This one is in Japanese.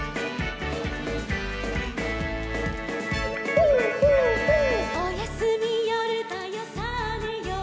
「ホーホーホー」「おやすみよるだよさあねよう」